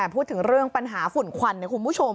พูดถึงเรื่องปัญหาฝุ่นควันคุณผู้ชม